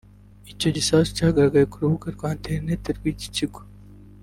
Icyo gisasu cyagaragaye ku rubuga rwa internet rw’iki kigo